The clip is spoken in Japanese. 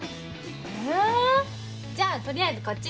えじゃあ取りあえずこっちで。